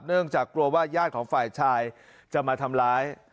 เนื่องจากกลัวว่าญาติของฝ่ายชายจะมาทำร้าย